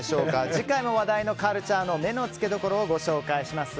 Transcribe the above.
次回も話題のカルチャーの目のつけどころをご紹介します。